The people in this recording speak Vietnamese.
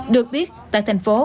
được biết tại thành phố